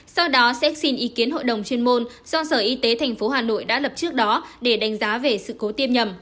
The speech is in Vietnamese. sau đó sẽ xin ý kiến hội đồng chuyên môn do sở y tế tp hà nội đã lập trước đó để đánh giá về sự cố tiêm nhầm